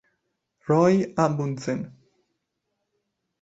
Roy Amundsen